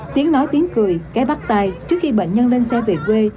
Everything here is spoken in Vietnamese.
tiếng nói tiếng cười cái bắt tay trước khi bệnh nhân lên xe về quê